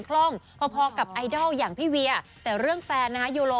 คล่องพอพอกับไอดอลอย่างพี่เวียแต่เรื่องแฟนนะฮะโยโล